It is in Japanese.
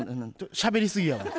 しゃべりすぎやわ。